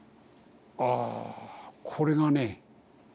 ああこれがね